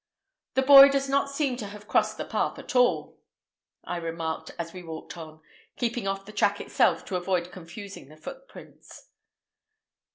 "The boy does not seem to have crossed the path at all," I remarked as we walked on, keeping off the track itself to avoid confusing the footprints.